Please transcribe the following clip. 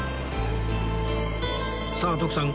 さあ徳さん